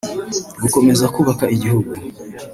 Gukomeza kubaka Igihugu